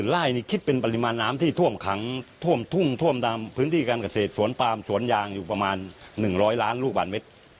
ไล่นี่คิดเป็นปริมาณน้ำที่ท่วมขังท่วมทุ่งท่วมตามพื้นที่การเกษตรสวนปามสวนยางอยู่ประมาณ๑๐๐ล้านลูกบาทเมตร